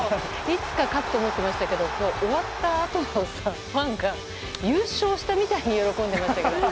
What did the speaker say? いつか勝つと思っていましたけど終わったあとファンが優勝したみたいに喜んでましたけども。